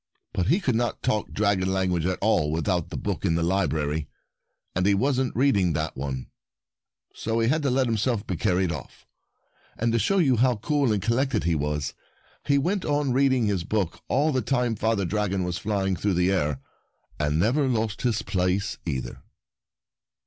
But he could not talk dragon language at all without the book in the library, and he wasn't reading that one, so he had to let himself be car ried off. And, to show you and the Dragons 59 how cool and collected he was, he went on reading his book all the time Father dragon was fly ing through the air, and never lost his place, either.